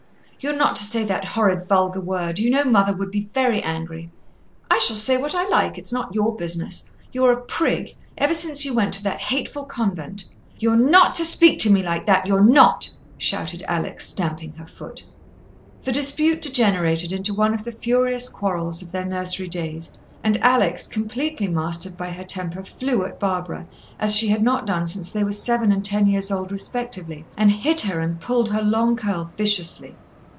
"You're not to say that horrid, vulgar word. You know mother would be very angry." "I shall say what I like. It's not your business. You're a prig, ever since you went to that hateful convent!" "You're not to speak to me like that, you're not!" shouted Alex, stamping her foot. The dispute degenerated into one of the furious quarrels of their nursery days, and Alex, completely mastered by her temper, flew at Barbara, as she had not done since they were seven and ten years old respectively, and hit her and pulled her long curl viciously.